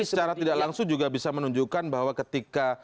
jadi secara tidak langsung juga bisa menunjukkan bahwa ketika